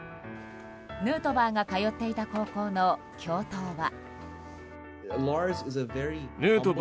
ヌートバーが通っていた高校の教頭は。